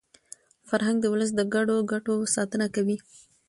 فرهنګ د ولس د ګډو ګټو ساتنه کوي.